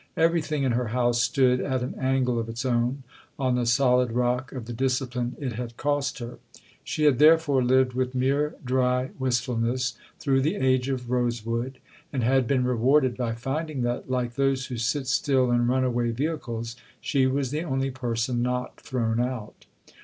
Everything in her house stood, at an angle of its own, on the solid rock of the discipline rt had cost her. She had therefore lived with mere dry wist fulness through the age of rosewood, and had been rewarded by finding that, like those who sit still in runaway vehicles, she was the only person not thrown out.